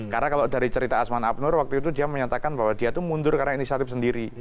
karena kalau dari cerita asman abnur waktu itu dia menyatakan bahwa dia itu mundur karena inisiatif sendiri